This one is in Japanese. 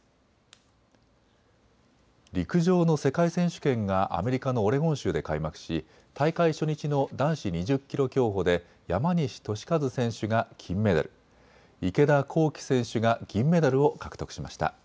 陸上の世界選手権がアメリカのオレゴン州で開幕し大会初日の男子２０キロ競歩で山西利和選手が金メダル、池田向希選手が銀メダルを獲得しました。